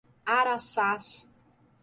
Araçás